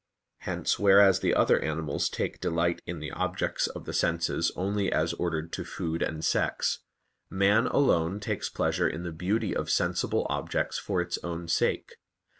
Hence, whereas the other animals take delight in the objects of the senses only as ordered to food and sex, man alone takes pleasure in the beauty of sensible objects for its own sake.